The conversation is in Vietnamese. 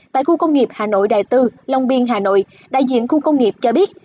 tại khu công nghiệp hà nội đại tư long biên hà nội đại diện khu công nghiệp cho biết